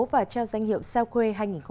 và trao danh hiệu sao khuê hai nghìn một mươi chín